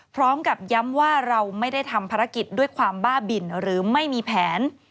พร้อมกับย้ำว่าเราไม่ได้ทำภารกิจด้วยความบ้าบินหรือไม่มีแผน